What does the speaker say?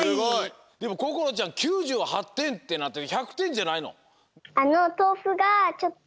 でもこころちゃん９８てんって１００てんじゃないの？